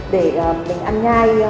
để mình ăn nhai